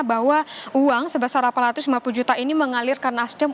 bahwa uang sebesar delapan ratus lima puluh juta ini mengalirkan asdem